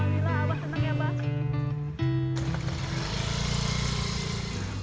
alhamdulillah abah senang ya mbak